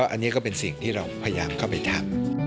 อันนี้ก็เป็นสิ่งที่เราพยายามเข้าไปทำ